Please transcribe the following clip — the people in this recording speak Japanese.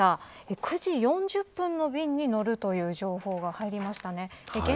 ９時４０分の便に乗るという情報が入りましたね。